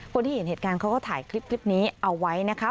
คนที่เห็นเหตุการณ์เขาก็ถ่ายคลิปนี้เอาไว้นะคะ